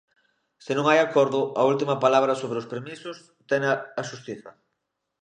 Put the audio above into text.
Se non hai acordo, a última palabra sobre os permisos tena a xustiza.